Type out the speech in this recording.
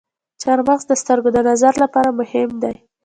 چارمغز د سترګو د نظر لپاره مهم دی.